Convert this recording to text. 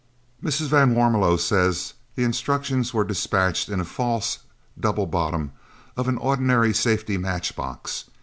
Mrs. van Warmelo says the instructions were dispatched in a false double bottom of an ordinary safety match box.